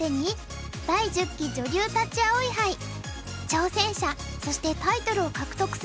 挑戦者そしてタイトルを獲得するのは誰か。